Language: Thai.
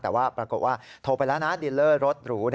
แต่ว่าปรากฏว่าโทรไปแล้วนะดินเลอร์รถหรู